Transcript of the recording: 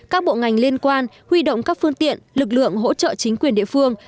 các bộ ngành liên quan huy động các phương tiện lực lượng hỗ trợ chính quyền địa phương